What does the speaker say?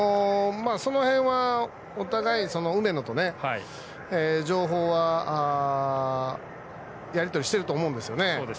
そのへんはお互いに梅野と情報は、やりとりしていると思うんですよね。